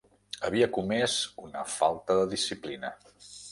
Havia comès una falta de disciplina.